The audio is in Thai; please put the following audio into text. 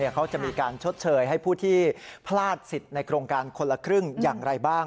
เขาจะมีการชดเชยให้ผู้ที่พลาดสิทธิ์ในโครงการคนละครึ่งอย่างไรบ้าง